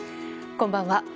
こんばんは。